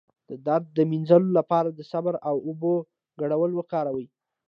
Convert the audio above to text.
د درد د مینځلو لپاره د صبر او اوبو ګډول وکاروئ